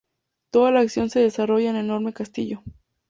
Toda la acción se desarrolla en un enorme castillo.